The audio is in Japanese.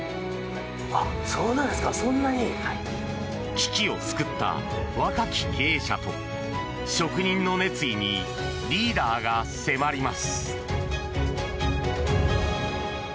危機を救った若き経営者と職人の熱意にリーダーが迫ります。